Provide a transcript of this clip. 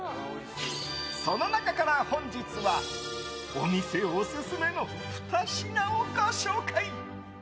その中から本日はお店オススメの２品をご紹介。